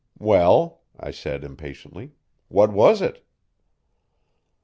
"Well," I said impatiently, "what was it?"